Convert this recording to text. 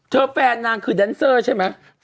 แฟนนางคือแดนเซอร์ใช่ไหม